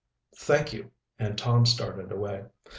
"Thank you," and Tom started away.